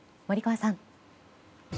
森川さん。